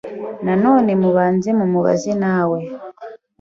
Na none mubanze mumubaze nawe